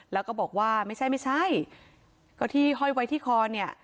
แล้วก็บอกว่าไม่ใช่ไม่ใช่ก็ที่ห้อยไว้ที่คอเนี่ย